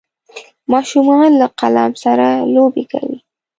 ماشومان له قلم سره لوبې کوي.